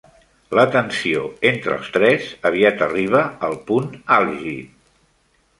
La tensió entre els tres aviat arriba al punt àlgid.